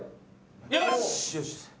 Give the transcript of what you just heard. よし。